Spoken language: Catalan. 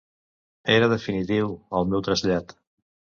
Era definitiu, el meu trasllat.